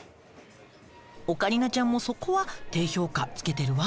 オカリナちゃんもそこは低評価つけてるわ。